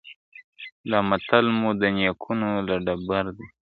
دا متل مو د نیکونو له ټبر دی ..